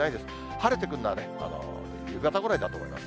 晴れてくるのは夕方ぐらいだと思います。